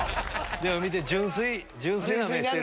でも純粋な目してる。